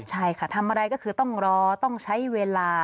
ใช่ค่ะทำอะไรก็คือต้องรอต้องใช้เวลา